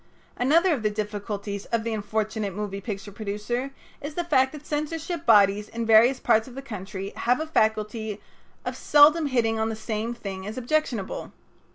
Another of the difficulties of the unfortunate moving picture producer is the fact that censorship bodies in various parts of the country have a faculty of seldom hitting on the same thing as objectionable.